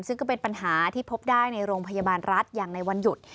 ซึ่งก็เป็นปัญหาที่พบได้ในโรงพยาบาลรัฐอย่างในวันหยุด